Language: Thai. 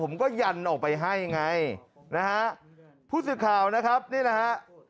ผมก็ยันออกไปให้ไงนะฮะพูดสิทธิ์ข่าวนะครับนี่นะฮะ